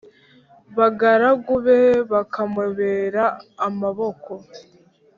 bagaragu be bakamubera amaboko